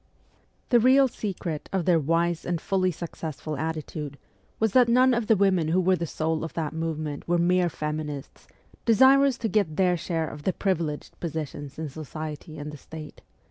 The real secret of their wise and fully successful attitude was that none of the women who were the soul of that movement were mere 'feminists,' desirous to get their share of the privileged positions in society and the State.